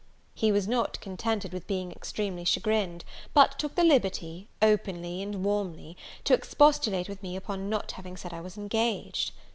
He was not contented with being extremely chagrined; but took the liberty, openly and warmly, to expostulate with me upon not having said I was engaged.